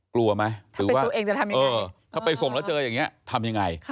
กลัวไหมถือว่าเออถ้าไปส่งแล้วเจออย่างนี้ทำยังไง